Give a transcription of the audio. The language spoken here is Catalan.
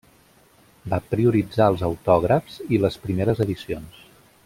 Va prioritzar els autògrafs i les primeres edicions.